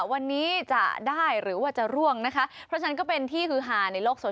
วันนี้จะได้หรือว่าจะร่วงนะคะเพราะฉะนั้นก็เป็นที่ฮือฮาในโลกโซ